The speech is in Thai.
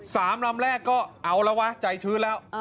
ลำแรกก็เอาแล้ววะใจชื้นแล้ว